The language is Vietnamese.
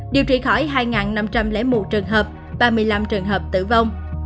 điều trị khỏi hai năm trăm linh một trường hợp ba mươi năm trường hợp tử vong